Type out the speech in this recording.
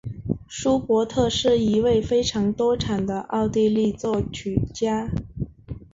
舒伯特是一位非常多产的奥地利作曲家。